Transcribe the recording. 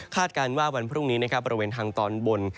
คาดการณ์ว่าวันพรุ่งนี้บริเวณทางตอนบน